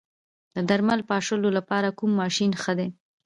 د درمل پاشلو لپاره کوم ماشین ښه دی؟